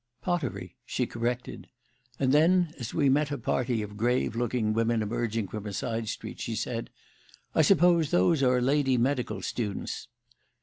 "Pottery," she corrected; and then, as we met a party of grave looking women emerging from a side street, she said: "I suppose those are lady medical students."